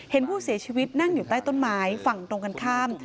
เห็นผู้เสียชีวิตนั่งอยู่ใต้ต้นไม้ฝั่งตรงกันข้าม